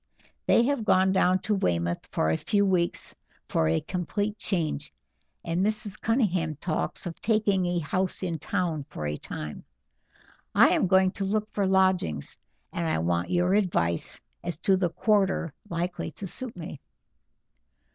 They have gone down to Weymouth for a few weeks for a complete change; and Mrs. Cunningham talks of taking a house in town for a time. I am going to look for lodgings, and I want your advice as to the quarter likely to suit me."